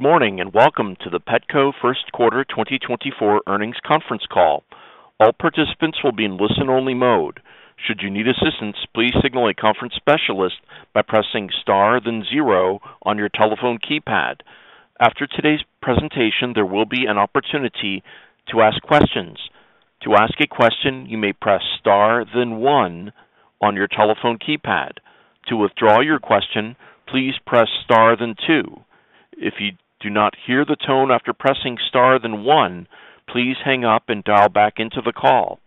Good morning, and welcome to the Petco first quarter 2024 earnings conference call. All participants will be in listen-only mode. Should you need assistance, please signal a conference specialist by pressing star, then zero on your telephone keypad. After today's presentation, there will be an opportunity to ask questions. To ask a question, you may press star, then one on your telephone keypad. To withdraw your question, please press star, then two. If you do not hear the tone after pressing star, then one, please hang up and dial back into the call.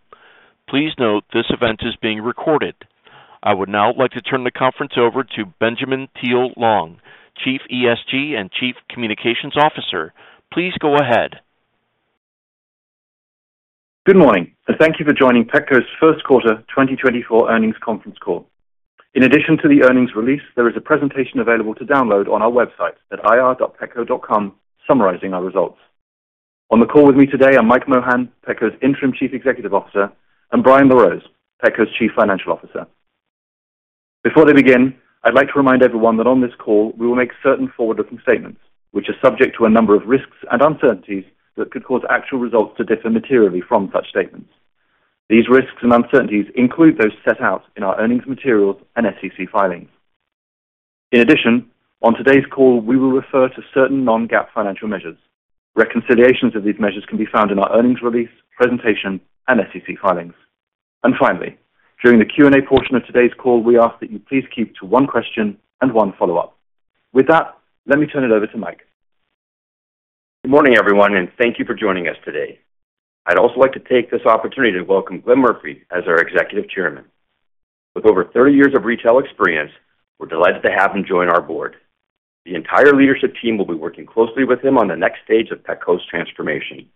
Please note, this event is being recorded. I would now like to turn the conference over to Benjamin Thiele-Long, Chief ESG and Chief Communications Officer. Please go ahead. Good morning, and thank you for joining Petco's first quarter 2024 earnings conference call. In addition to the earnings release, there is a presentation available to download on our website at ir.petco.com, summarizing our results. On the call with me today are Mike Mohan, Petco's Interim Chief Executive Officer, and Brian LaRose, Petco's Chief Financial Officer. Before they begin, I'd like to remind everyone that on this call, we will make certain forward-looking statements, which are subject to a number of risks and uncertainties that could cause actual results to differ materially from such statements. These risks and uncertainties include those set out in our earnings materials and SEC filings. In addition, on today's call, we will refer to certain non-GAAP financial measures. Reconciliations of these measures can be found in our earnings release, presentation, and SEC filings. Finally, during the Q&A portion of today's call, we ask that you please keep to one question and one follow-up. With that, let me turn it over to Mike. Good morning, everyone, and thank you for joining us today. I'd also like to take this opportunity to welcome Glenn Murphy as our Executive Chairman. With over 30 years of retail experience, we're delighted to have him join our board. The entire leadership team will be working closely with him on the next stage of Petco's transformation.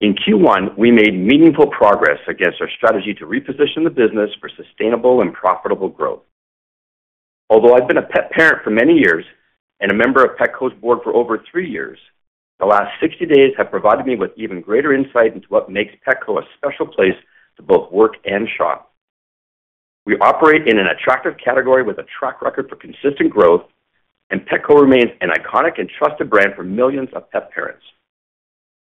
In Q1, we made meaningful progress against our strategy to reposition the business for sustainable and profitable growth. Although I've been a pet parent for many years and a member of Petco's board for over three years, the last 60 days have provided me with even greater insight into what makes Petco a special place to both work and shop. We operate in an attractive category with a track record for consistent growth, and Petco remains an iconic and trusted brand for millions of pet parents.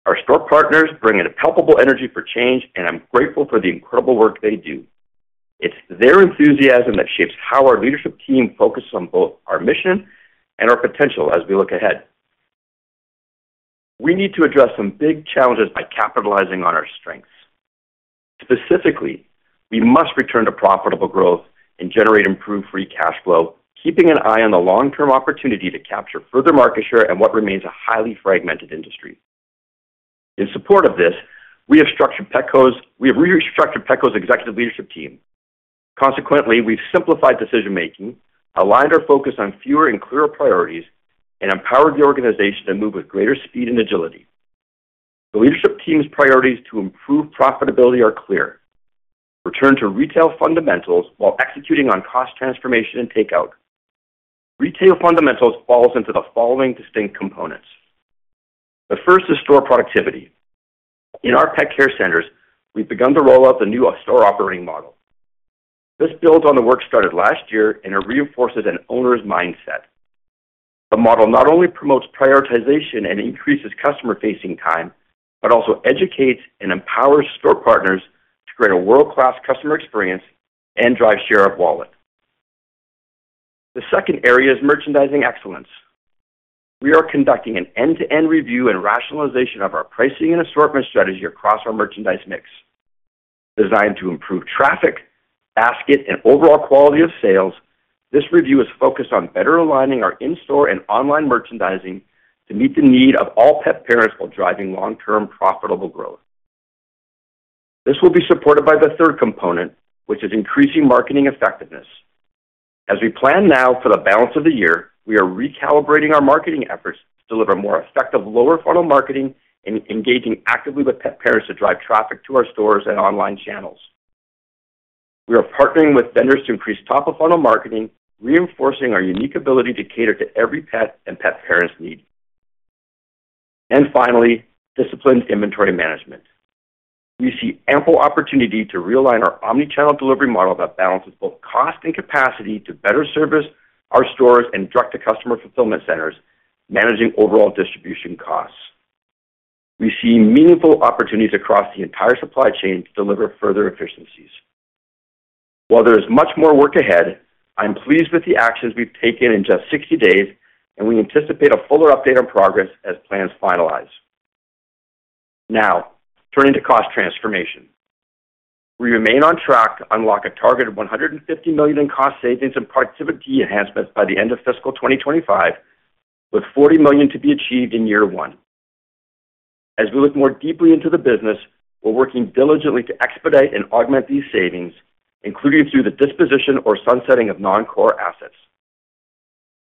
Our store partners bring in a palpable energy for change, and I'm grateful for the incredible work they do. It's their enthusiasm that shapes how our leadership team focuses on both our mission and our potential as we look ahead. We need to address some big challenges by capitalizing on our strengths. Specifically, we must return to profitable growth and generate improved free cash flow, keeping an eye on the long-term opportunity to capture further market share and what remains a highly fragmented industry. In support of this, we have restructured Petco's executive leadership team. Consequently, we've simplified decision-making, aligned our focus on fewer and clearer priorities, and empowered the organization to move with greater speed and agility. The leadership team's priorities to improve profitability are clear: Return to retail fundamentals while executing on cost transformation and takeout. Retail fundamentals falls into the following distinct components. The first is store productivity. In our Pet Care Centers, we've begun to roll out the new store operating model. This builds on the work started last year and it reinforces an owner's mindset. The model not only promotes prioritization and increases customer-facing time, but also educates and empowers store partners to create a world-class customer experience and drive share of wallet. The second area is merchandising excellence. We are conducting an end-to-end review and rationalization of our pricing and assortment strategy across our merchandise mix. Designed to improve traffic, basket, and overall quality of sales, this review is focused on better aligning our in-store and online merchandising to meet the need of all pet parents while driving long-term profitable growth. This will be supported by the third component, which is increasing marketing effectiveness. As we plan now for the balance of the year, we are recalibrating our marketing efforts to deliver more effective, lower funnel marketing and engaging actively with pet parents to drive traffic to our stores and online channels. We are partnering with vendors to increase top-of-funnel marketing, reinforcing our unique ability to cater to every pet and pet parent's need. And finally, disciplined inventory management. We see ample opportunity to realign our omnichannel delivery model that balances both cost and capacity to better service our stores and direct-to-customer fulfillment centers, managing overall distribution costs. We see meaningful opportunities across the entire supply chain to deliver further efficiencies. While there is much more work ahead, I'm pleased with the actions we've taken in just 60 days, and we anticipate a fuller update on progress as plans finalize. Now, turning to cost transformation. We remain on track to unlock a target of $150 million in cost savings and productivity enhancements by the end of fiscal 2025, with $40 million to be achieved in year one. As we look more deeply into the business, we're working diligently to expedite and augment these savings, including through the disposition or sunsetting of non-core assets.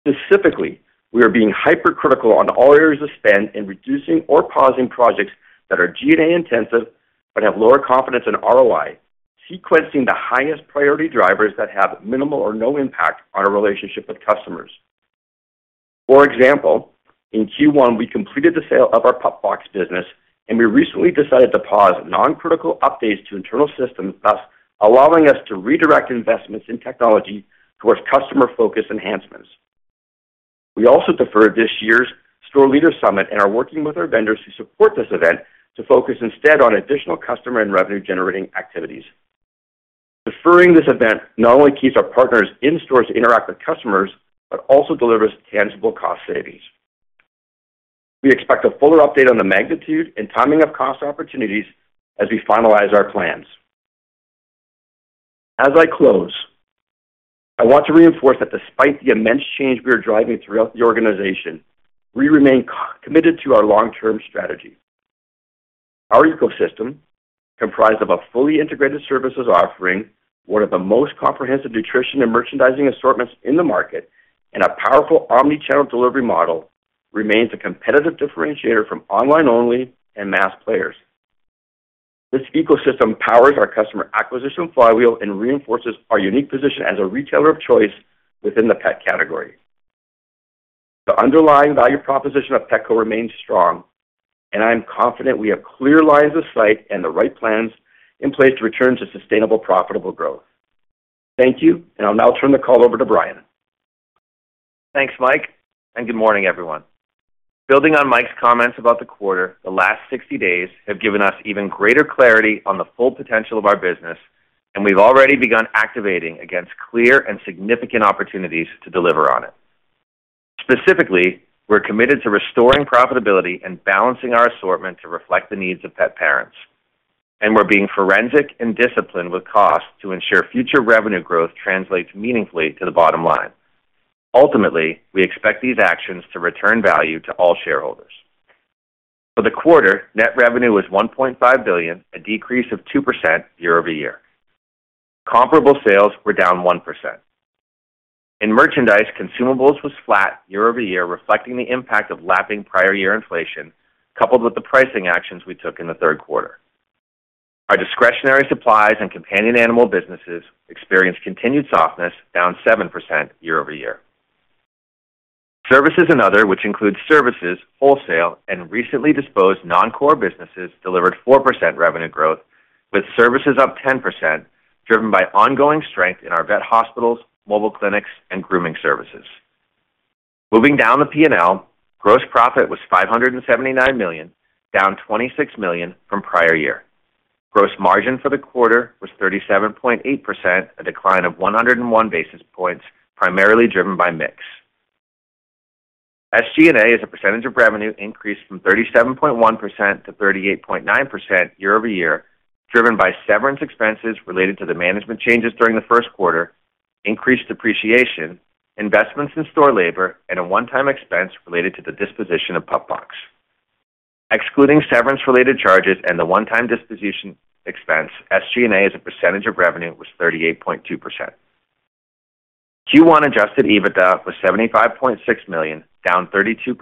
Specifically, we are being hyper-critical on all areas of spend in reducing or pausing projects that are SG&A intensive, but have lower confidence in ROI, sequencing the highest priority drivers that have minimal or no impact on our relationship with customers. For example, in Q1, we completed the sale of our PupBox business, and we recently decided to pause non-critical updates to internal systems, thus allowing us to redirect investments in technology towards customer-focused enhancements. We also deferred this year's Store Leader Summit and are working with our vendors who support this event to focus instead on additional customer and revenue-generating activities. Deferring this event not only keeps our partners in stores to interact with customers, but also delivers tangible cost savings. We expect a fuller update on the magnitude and timing of cost opportunities as we finalize our plans. As I close, I want to reinforce that despite the immense change we are driving throughout the organization, we remain committed to our long-term strategy. Our ecosystem, comprised of a fully integrated services offering, one of the most comprehensive nutrition and merchandising assortments in the market, and a powerful omnichannel delivery model, remains a competitive differentiator from online-only and mass players. This ecosystem powers our customer acquisition flywheel and reinforces our unique position as a retailer of choice within the pet category. The underlying value proposition of Petco remains strong, and I am confident we have clear lines of sight and the right plans in place to return to sustainable, profitable growth. Thank you, and I'll now turn the call over to Brian. Thanks, Mike, and good morning, everyone. Building on Mike's comments about the quarter, the last 60 days have given us even greater clarity on the full potential of our business, and we've already begun activating against clear and significant opportunities to deliver on it. Specifically, we're committed to restoring profitability and balancing our assortment to reflect the needs of pet parents, and we're being forensic and disciplined with cost to ensure future revenue growth translates meaningfully to the bottom line. Ultimately, we expect these actions to return value to all shareholders. For the quarter, net revenue was $1.5 billion, a decrease of 2% year-over-year. Comparable sales were down 1%. In merchandise, consumables was flat year-over-year, reflecting the impact of lapping prior year inflation, coupled with the pricing actions we took in the third quarter. Our discretionary supplies and companion animal businesses experienced continued softness, down 7% year-over-year. Services and other, which includes services, wholesale, and recently disposed non-core businesses, delivered 4% revenue growth, with services up 10%, driven by ongoing strength in our vet hospitals, mobile clinics, and grooming services. Moving down the P&L, gross profit was $579 million, down $26 million from prior year. Gross margin for the quarter was 37.8%, a decline of 101 basis points, primarily driven by mix. SG&A, as a percentage of revenue, increased from 37.1% to 38.9% year-over-year, driven by severance expenses related to the management changes during the first quarter, increased depreciation, investments in store labor, and a one-time expense related to the disposition of PupBox. Excluding severance-related charges and the one-time disposition expense, SG&A, as a percentage of revenue, was 38.2%. Q1 adjusted EBITDA was $75.6 million, down 32%,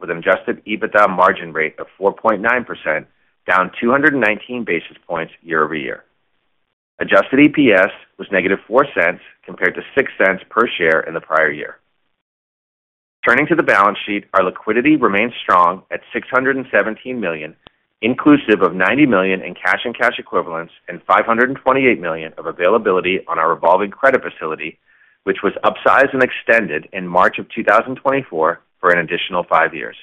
with an adjusted EBITDA margin rate of 4.9%, down 219 basis points year-over-year. Adjusted EPS was -$0.04, compared to $0.06 per share in the prior year. Turning to the balance sheet, our liquidity remains strong at $617 million, inclusive of $90 million in cash and cash equivalents and $528 million of availability on our revolving credit facility, which was upsized and extended in March 2024 for an additional five years.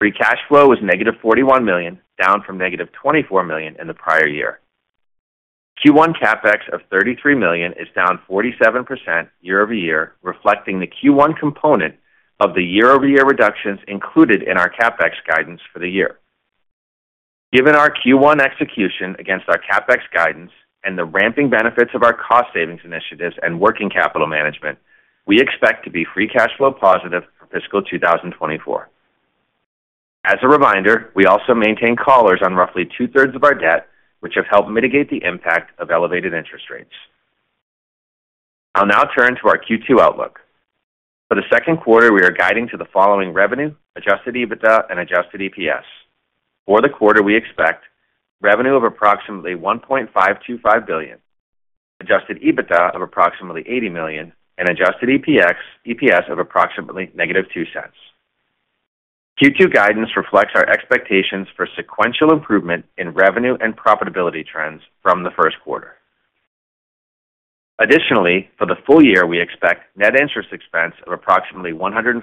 Free cash flow was -$41 million, down from -$24 million in the prior year. Q1 CapEx of $33 million is down 47% year-over-year, reflecting the Q1 component of the year-over-year reductions included in our CapEx guidance for the year. Given our Q1 execution against our CapEx guidance and the ramping benefits of our cost savings initiatives and working capital management, we expect to be free cash flow positive for fiscal 2024. As a reminder, we also maintain collars on roughly two-thirds of our debt, which have helped mitigate the impact of elevated interest rates. I'll now turn to our Q2 outlook. For the second quarter, we are guiding to the following revenue, adjusted EBITDA, and adjusted EPS. For the quarter, we expect revenue of approximately $1.525 billion, adjusted EBITDA of approximately $80 million, and adjusted EPS of approximately negative $0.02. Q2 guidance reflects our expectations for sequential improvement in revenue and profitability trends from the first quarter. Additionally, for the full year, we expect net interest expense of approximately $145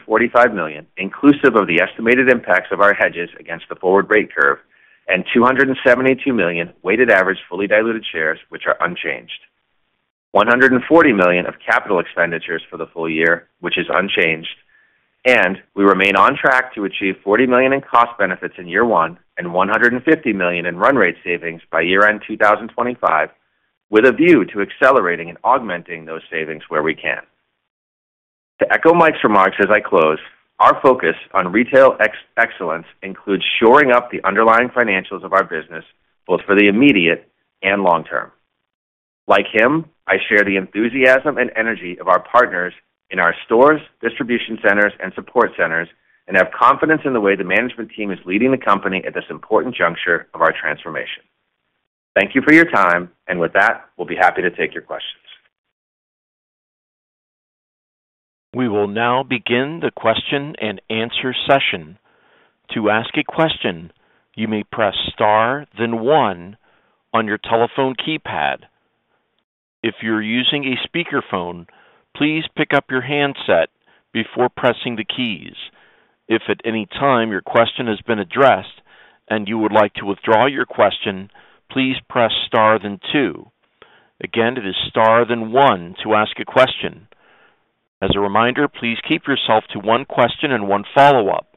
million, inclusive of the estimated impacts of our hedges against the forward rate curve, and 272 million weighted average, fully diluted shares, which are unchanged. $140 million of capital expenditures for the full year, which is unchanged, and we remain on track to achieve $40 million in cost benefits in year one and $150 million in run rate savings by year-end 2025, with a view to accelerating and augmenting those savings where we can. To echo Mike's remarks as I close, our focus on retail excellence includes shoring up the underlying financials of our business, both for the immediate and long term. Like him, I share the enthusiasm and energy of our partners in our stores, distribution centers, and support centers, and have confidence in the way the management team is leading the company at this important juncture of our transformation. Thank you for your time, and with that, we'll be happy to take your questions. We will now begin the question-and-answer session. To ask a question, you may press star then one on your telephone keypad. If you're using a speakerphone, please pick up your handset before pressing the keys. If at any time your question has been addressed and you would like to withdraw your question, please press star then two. Again, it is star then one to ask a question. As a reminder, please keep yourself to one question and one follow-up.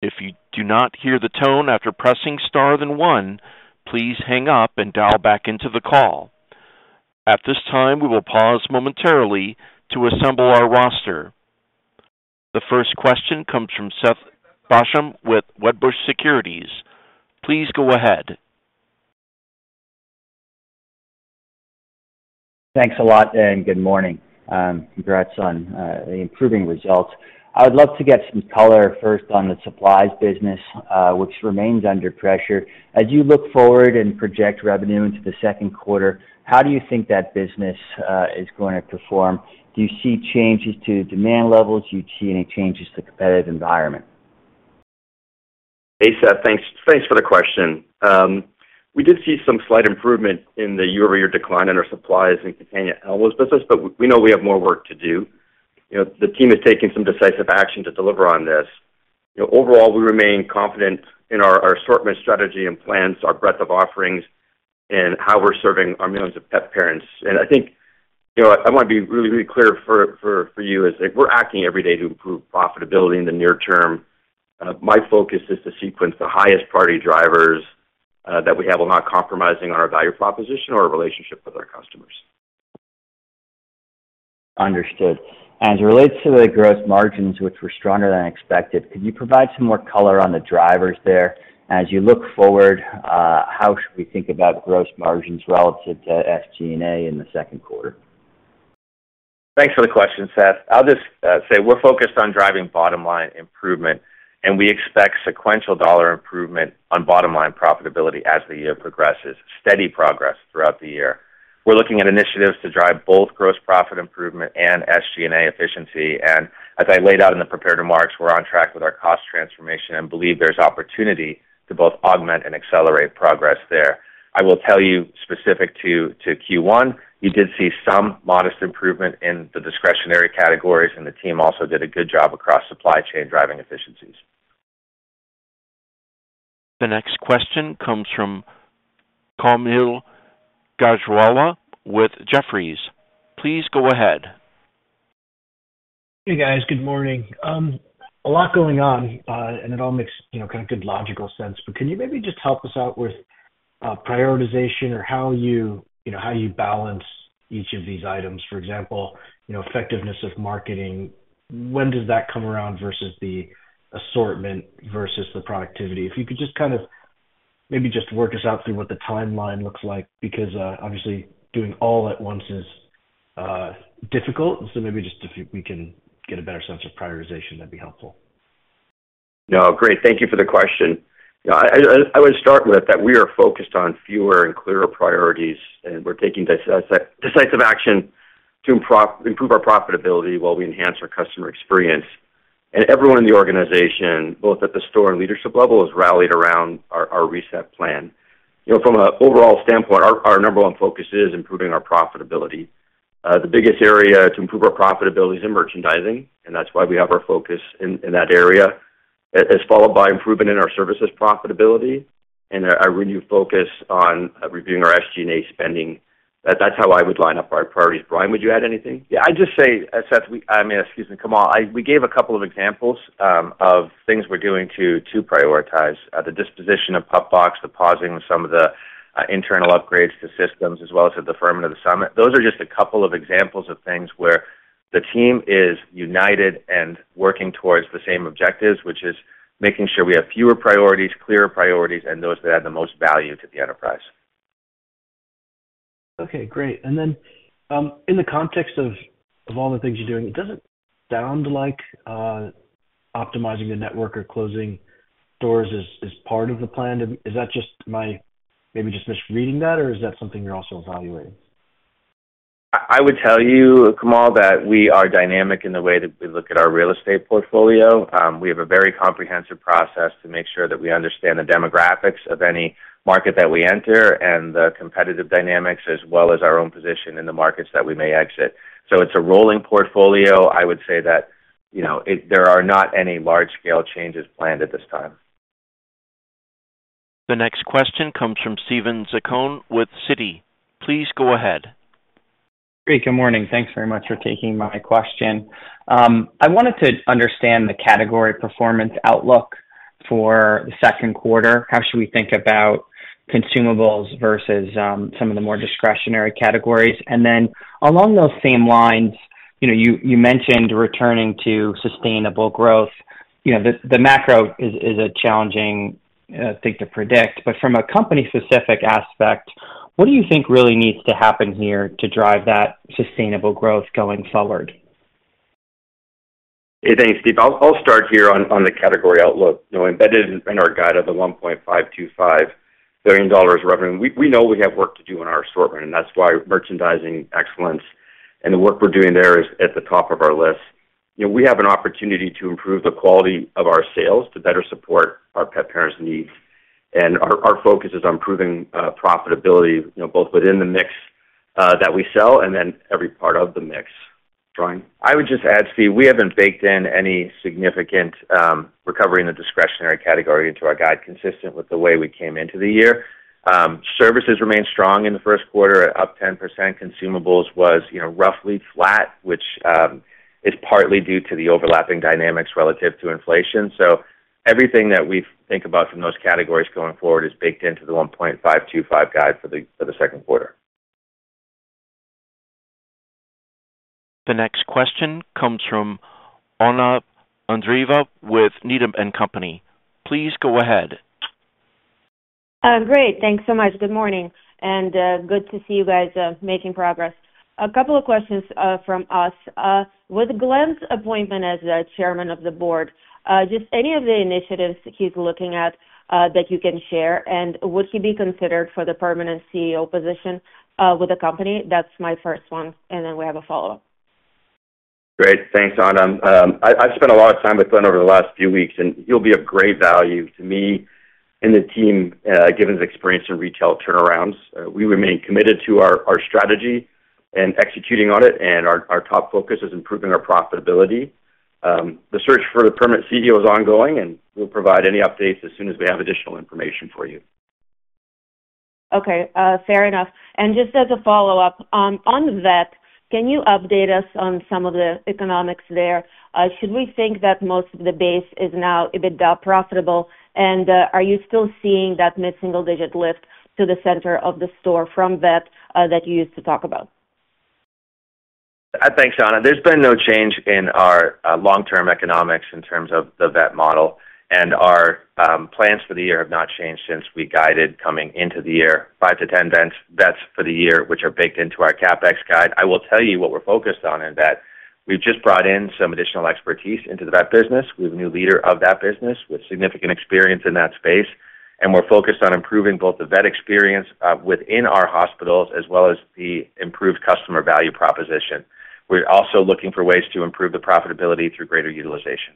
If you do not hear the tone after pressing star then one, please hang up and dial back into the call. At this time, we will pause momentarily to assemble our roster. The first question comes from Seth Basham with Wedbush Securities. Please go ahead. Thanks a lot, and good morning. Congrats on the improving results. I would love to get some color first on the supplies business, which remains under pressure. As you look forward and project revenue into the second quarter, how do you think that business is going to perform? Do you see changes to demand levels? Do you see any changes to the competitive environment? Hey, Seth. Thanks, thanks for the question. We did see some slight improvement in the year-over-year decline in our supplies and companion animals business, but we know we have more work to do. You know, the team is taking some decisive action to deliver on this. You know, overall, we remain confident in our, our assortment strategy and plans, our breadth of offerings, and how we're serving our millions of pet parents. And I think, you know, I want to be really, really clear for, for, for you, is if we're acting every day to improve profitability in the near term, my focus is to sequence the highest priority drivers, that we have while not compromising our value proposition or relationship with our customers. Understood. As it relates to the gross margins, which were stronger than expected, could you provide some more color on the drivers there? As you look forward, how should we think about gross margins relative to SG&A in the second quarter? Thanks for the question, Seth. I'll just say we're focused on driving bottom line improvement, and we expect sequential dollar improvement on bottom line profitability as the year progresses. Steady progress throughout the year. We're looking at initiatives to drive both gross profit improvement and SG&A efficiency, and as I laid out in the prepared remarks, we're on track with our cost transformation and believe there's opportunity to both augment and accelerate progress there. I will tell you, specific to Q1, you did see some modest improvement in the discretionary categories, and the team also did a good job across supply chain, driving efficiencies. The next question comes from Kaumil Gajrawala with Jefferies. Please go ahead. Hey, guys. Good morning. A lot going on, and it all makes, you know, kind of good, logical sense. But can you maybe just help us out with prioritization or how you, you know, how you balance each of these items? For example, you know, effectiveness of marketing, when does that come around versus the assortment versus the productivity? If you could just kind of maybe just work us out through what the timeline looks like, because obviously doing all at once is difficult. So maybe just if we can get a better sense of prioritization, that'd be helpful. No, great. Thank you for the question. You know, I would start with that we are focused on fewer and clearer priorities, and we're taking decisive action to improve our profitability while we enhance our customer experience. And everyone in the organization, both at the store and leadership level, has rallied around our reset plan. You know, from an overall standpoint, our number one focus is improving our profitability. The biggest area to improve our profitability is in merchandising, and that's why we have our focus in that area. It's followed by improvement in our services profitability and a renewed focus on reviewing our SG&A spending. That's how I would line up our priorities. Brian, would you add anything? Yeah, I'd just say, Seth, we... I mean, excuse me, Kaumil, I, we gave a couple of examples of things we're doing to prioritize the disposition of PupBox, the pausing of some of the internal upgrades to systems, as well as to the front end of the systems. Those are just a couple of examples of things where the team is united and working towards the same objectives, which is making sure we have fewer priorities, clearer priorities, and those that add the most value to the enterprise. Okay, great. And then, in the context of all the things you're doing, it doesn't sound like optimizing the network or closing doors is part of the plan. Is that just my maybe just misreading that, or is that something you're also evaluating? I would tell you, Kaumil, that we are dynamic in the way that we look at our real estate portfolio. We have a very comprehensive process to make sure that we understand the demographics of any market that we enter and the competitive dynamics, as well as our own position in the markets that we may exit. So it's a rolling portfolio. I would say that, you know, there are not any large-scale changes planned at this time. The next question comes from Steven Zaccone with Citi. Please go ahead. Great. Good morning. Thanks very much for taking my question. I wanted to understand the category performance outlook for the second quarter. How should we think about consumables versus some of the more discretionary categories? And then along those same lines, you know, you mentioned returning to sustainable growth. You know, the macro is a challenging thing to predict, but from a company-specific aspect, what do you think really needs to happen here to drive that sustainable growth going forward?... Hey, thanks, Steve. I'll start here on the category outlook. You know, embedded in our guide of the $1.525 billion revenue, we know we have work to do in our assortment, and that's why merchandising excellence and the work we're doing there is at the top of our list. You know, we have an opportunity to improve the quality of our sales to better support our pet parents' needs, and our focus is on improving profitability, you know, both within the mix that we sell and then every part of the mix. Brian? I would just add, Steve, we haven't baked in any significant recovery in the discretionary category into our guide, consistent with the way we came into the year. Services remained strong in the first quarter, up 10%. Consumables was, you know, roughly flat, which is partly due to the overlapping dynamics relative to inflation. So everything that we think about from those categories going forward is baked into the $1.525 guide for the second quarter. The next question comes from Anna Andreeva with Needham & Company. Please go ahead. Great. Thanks so much. Good morning, and good to see you guys making progress. A couple of questions from us. With Glenn's appointment as the Chairman of the Board, just any of the initiatives he's looking at that you can share, and would he be considered for the permanent CEO position with the company? That's my first one, and then we have a follow-up. Great. Thanks, Anna. I've spent a lot of time with Glenn over the last few weeks, and he'll be of great value to me and the team, given his experience in retail turnarounds. We remain committed to our, our strategy and executing on it, and our, our top focus is improving our profitability. The search for the permanent CEO is ongoing, and we'll provide any updates as soon as we have additional information for you. Okay, fair enough. And just as a follow-up, on vet, can you update us on some of the economics there? Should we think that most of the base is now EBITDA profitable? And, are you still seeing that mid-single-digit lift to the center of the store from vet, that you used to talk about? Thanks, Anna. There's been no change in our long-term economics in terms of the vet model, and our plans for the year have not changed since we guided coming into the year, five to 10 vets, vets for the year, which are baked into our CapEx guide. I will tell you what we're focused on in that we've just brought in some additional expertise into the vet business. We have a new leader of that business with significant experience in that space, and we're focused on improving both the vet experience within our hospitals as well as the improved customer value proposition. We're also looking for ways to improve the profitability through greater utilization.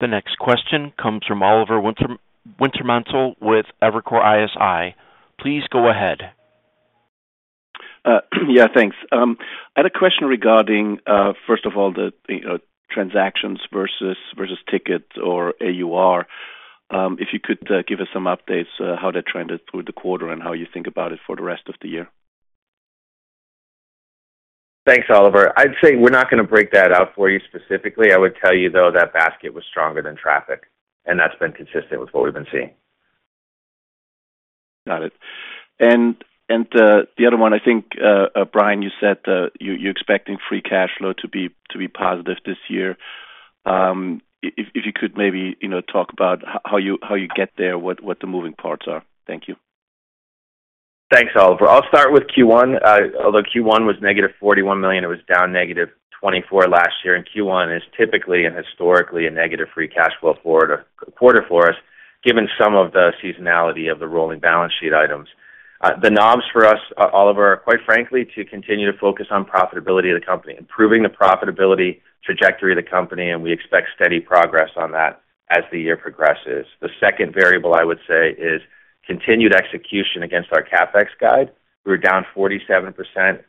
The next question comes from Oliver Wintermantel with Evercore ISI. Please go ahead. Yeah, thanks. I had a question regarding, first of all, the, you know, transactions versus, versus tickets or AUR. If you could, give us some updates, how they trended through the quarter and how you think about it for the rest of the year. Thanks, Oliver. I'd say we're not gonna break that out for you specifically. I would tell you, though, that basket was stronger than traffic, and that's been consistent with what we've been seeing. Got it. And the other one, I think, Brian, you said, you're expecting free cash flow to be positive this year. If you could maybe, you know, talk about how you get there, what the moving parts are. Thank you. Thanks, Oliver. I'll start with Q1. Although Q1 was -$41 million, it was down -$24 million last year, and Q1 is typically and historically a negative free cash flow quarter for us, given some of the seasonality of the rolling balance sheet items. The knobs for us, Oliver, are, quite frankly, to continue to focus on profitability of the company, improving the profitability trajectory of the company, and we expect steady progress on that as the year progresses. The second variable, I would say, is continued execution against our CapEx guide. We're down 47%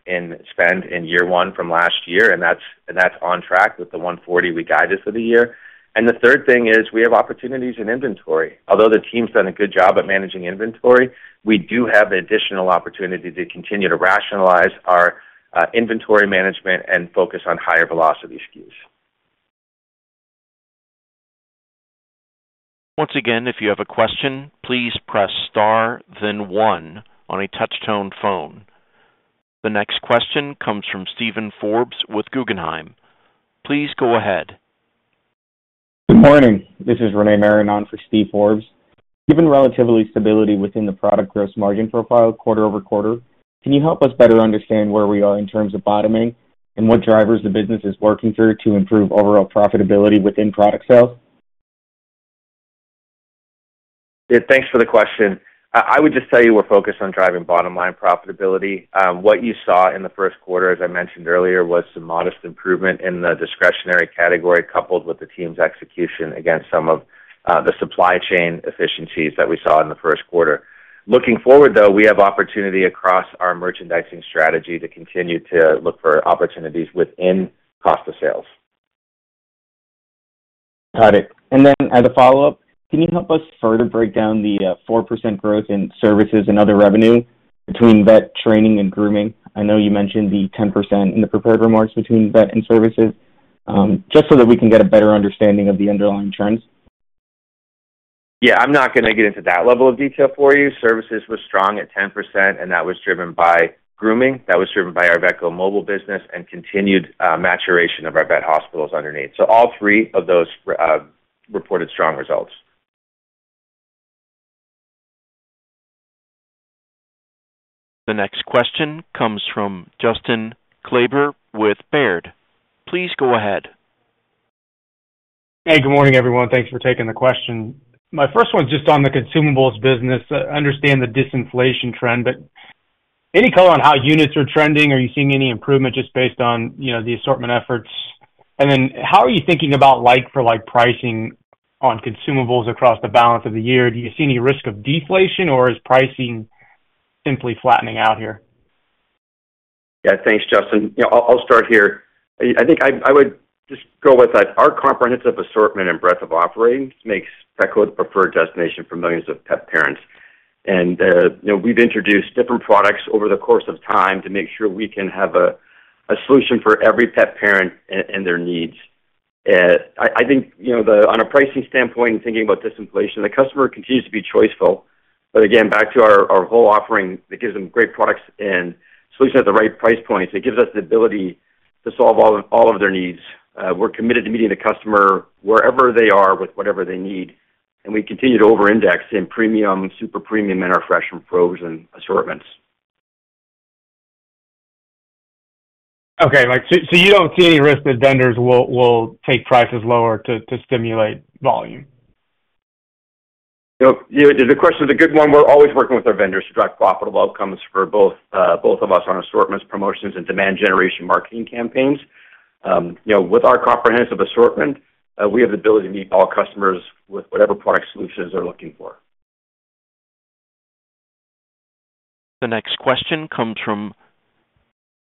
in spend in year one from last year, and that's on track with the $140 million we guided for the year. And the third thing is we have opportunities in inventory. Although the team's done a good job at managing inventory, we do have additional opportunity to continue to rationalize our inventory management and focus on higher velocity SKUs. Once again, if you have a question, please press star then one on a touch-tone phone. The next question comes from Steven Forbes with Guggenheim. Please go ahead. Good morning. This is Renee Maranon for Steve Forbes. Given relative stability within the product gross margin profile quarter over quarter, can you help us better understand where we are in terms of bottoming and what drivers the business is working through to improve overall profitability within product sales? Yeah, thanks for the question. I would just tell you we're focused on driving bottom-line profitability. What you saw in the first quarter, as I mentioned earlier, was some modest improvement in the discretionary category, coupled with the team's execution against some of the supply chain efficiencies that we saw in the first quarter. Looking forward, though, we have opportunity across our merchandising strategy to continue to look for opportunities within cost of sales. Got it. And then as a follow-up, can you help us further break down the 4% growth in services and other revenue between vet, training, and grooming? I know you mentioned the 10% in the prepared remarks between vet and services. Just so that we can get a better understanding of the underlying trends. Yeah, I'm not gonna get into that level of detail for you. Services was strong at 10%, and that was driven by grooming, that was driven by our Vetco Mobile business and continued maturation of our vet hospitals underneath. So all three of those reported strong results. The next question comes from Justin Kleber with Baird. Please go ahead. Hey, good morning, everyone. Thanks for taking the question. My first one is just on the consumables business. I understand the disinflation trend, but any color on how units are trending? Are you seeing any improvement just based on, you know, the assortment efforts? And then how are you thinking about like-for-like pricing on consumables across the balance of the year? Do you see any risk of deflation or is pricing simply flattening out here? Yeah, thanks, Justin. You know, I'll start here. I think I would just go with that our comprehensive assortment and breadth of operating makes Petco the preferred destination for millions of pet parents. And, you know, we've introduced different products over the course of time to make sure we can have a solution for every pet parent and their needs. I think, you know, on a pricing standpoint and thinking about disinflation, the customer continues to be choiceful, but again, back to our whole offering, it gives them great products and solutions at the right price points. It gives us the ability to solve all of their needs. We're committed to meeting the customer wherever they are with whatever they need, and we continue to over-index in premium, super premium, in our fresh and frozen assortments. Okay, like, so you don't see any risk that vendors will take prices lower to stimulate volume? You know, the question is a good one. We're always working with our vendors to drive profitable outcomes for both, both of us on assortments, promotions, and demand generation marketing campaigns. You know, with our comprehensive assortment, we have the ability to meet all customers with whatever product solutions they're looking for. The next question comes from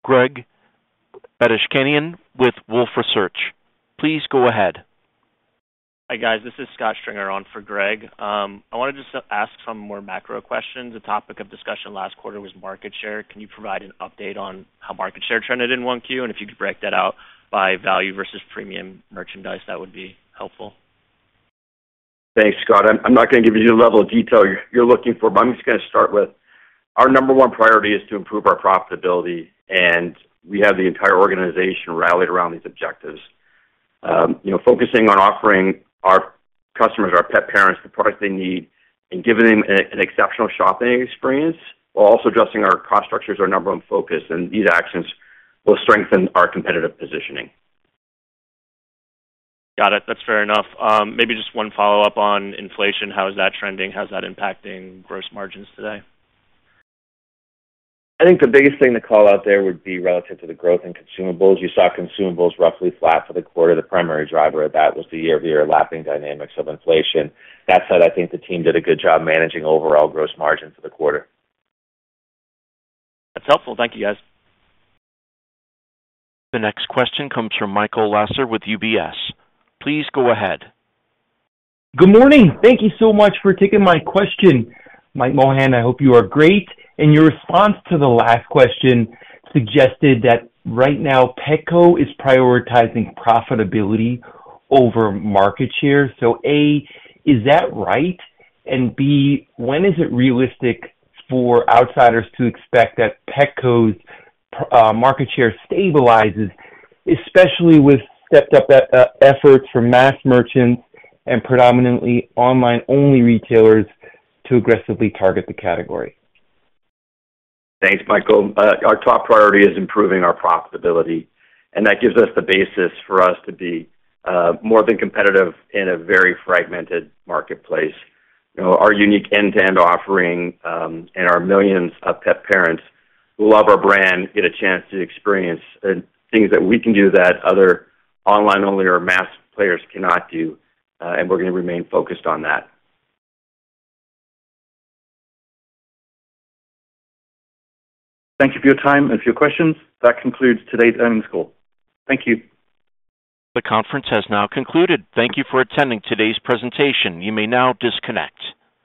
Greg Badishkanian with Wolfe Research. Please go ahead. Hi, guys. This is Scott Stringer on for Greg. I wanted to just ask some more macro questions. The topic of discussion last quarter was market share. Can you provide an update on how market share trended in 1Q? And if you could break that out by value versus premium merchandise, that would be helpful. Thanks, Scott. I'm not gonna give you the level of detail you're looking for, but I'm just gonna start with our number one priority is to improve our profitability, and we have the entire organization rallied around these objectives. You know, focusing on offering our customers, our pet parents, the products they need and giving them an exceptional shopping experience, while also adjusting our cost structure is our number one focus, and these actions will strengthen our competitive positioning. Got it. That's fair enough. Maybe just one follow-up on inflation. How is that trending? How's that impacting gross margins today? I think the biggest thing to call out there would be relative to the growth in consumables. You saw consumables roughly flat for the quarter. The primary driver of that was the year-over-year lapping dynamics of inflation. That said, I think the team did a good job managing overall gross margin for the quarter. That's helpful. Thank you, guys. The next question comes from Michael Lasser with UBS. Please go ahead. Good morning. Thank you so much for taking my question. Mike Mohan, I hope you are great, and your response to the last question suggested that right now, Petco is prioritizing profitability over market share. So, A, is that right? And B, when is it realistic for outsiders to expect that Petco's market share stabilizes, especially with stepped-up efforts from mass merchants and predominantly online-only retailers to aggressively target the category? Thanks, Michael. Our top priority is improving our profitability, and that gives us the basis for us to be more than competitive in a very fragmented marketplace. You know, our unique end-to-end offering, and our millions of pet parents who love our brand, get a chance to experience things that we can do that other online-only or mass players cannot do, and we're gonna remain focused on that. Thank you for your time and for your questions. That concludes today's earnings call. Thank you. The conference has now concluded. Thank you for attending today's presentation. You may now disconnect.